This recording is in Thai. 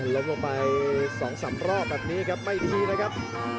ล้มลงไป๒๓รอบแบบนี้ครับไม่ดีนะครับ